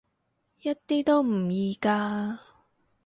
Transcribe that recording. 一啲都唔易㗎